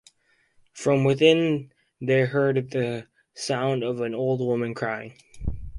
From within they heard the sound of an old woman crying.